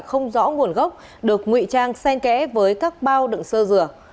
không rõ nguồn gốc được ngụy trang sen kẽ với các bao đựng sơ dừa